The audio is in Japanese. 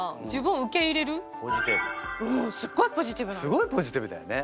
すごいポジティブだよね。